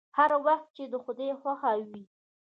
هر وخت چې د خداى خوښه وي.